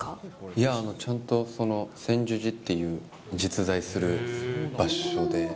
いや、ちゃんと専修寺っていう実在する場所で。